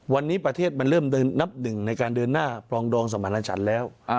วันนี้ประเทศมันเริ่มนับหนึ่งในการเดินหน้าปรองดองสมรรถฉันแล้ว